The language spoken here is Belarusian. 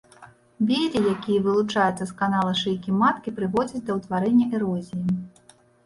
Белі, якія вылучаюцца з канала шыйкі маткі, прыводзяць да ўтварэння эрозіі.